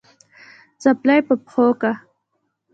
څپلۍ په پښو که